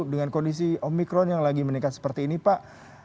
dengan kondisi omikron yang lagi meningkat seperti ini pak